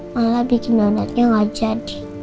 malah bikin donatnya gak jadi